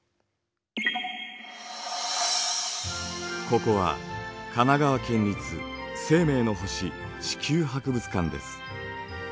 ここは神奈川県立生命の星・地球博物館です。